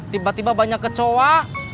tiba tiba banyak kecoa